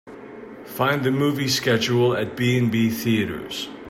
Find the movie schedule at B&B Theatres.